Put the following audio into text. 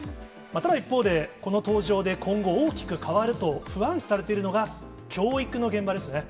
ただ一方で、この登場で今後、大きく変わると不安視されているのが、教育の現場ですね。